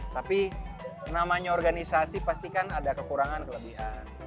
tapi namanya organisasi pastikan ada kekurangan kelebihan